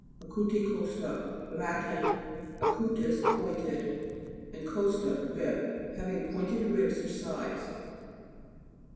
ACUTICO'STA Lat. (acutus, pointed, and costa, rib.) Having pointed ribs or sides.